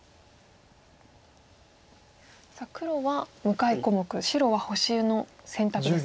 さあ黒は向かい小目白は星の選択ですね。